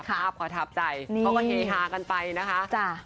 ภาพประทับใจเขาก็เฮฮากันไปนะคะ